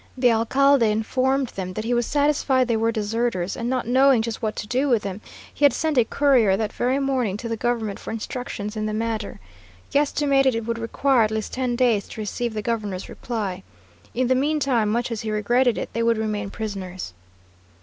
The alcalde informed them that he was satisfied they were deserters, and not knowing just what to do with them he had sent a courier that very morning to the governor for instructions in the matter. He estimated it would require at least ten days to receive the governor's reply. In the mean time, much as he regretted it, they would remain prisoners.